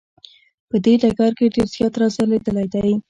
په دې ډګر کې ډیر زیات را ځلیدلی دی.